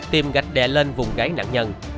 tìm gạch đè lên vùng gáy nạn nhân